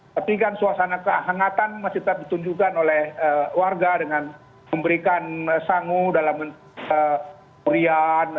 tapi kan suasana kehangatan masih tetap ditunjukkan oleh warga dengan memberikan sangu dalam durian